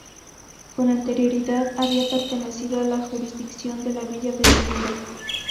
Con anterioridad había pertenecido a la jurisdicción de la villa de Segura.